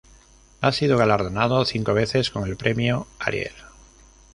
Ha sido galardonado cinco veces con el Premio Ariel.